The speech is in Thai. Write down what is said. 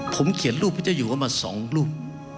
ผมเขียนรูปพระเจ้าอยู่ว่ามา๒รูป